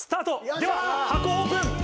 では箱をオープン。